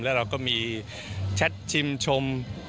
แล้วเราก็มีแชทชิมชม